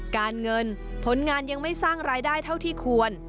การเงินผลงานยังไม่สร้างรายได้เท่าที่ควร